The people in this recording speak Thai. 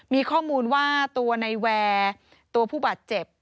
มีข้อมูลว่าตัวในแวร์ตัวผู้บาดเจ็บ